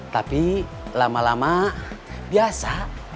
tapi lama lama biasa